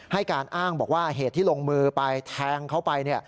ให้การอ้างบอกว่าเหตุที่ลงมือไปแทงเขาไป